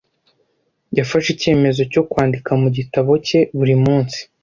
Yafashe icyemezo cyo kwandika mu gitabo cye buri munsi.